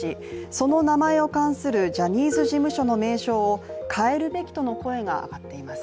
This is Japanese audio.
その名前を冠するジャニーズ事務所の名称を変えるべきという声が上がっています。